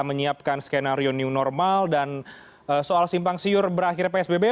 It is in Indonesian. menyiapkan skenario new normal dan soal simpang siur berakhir psbb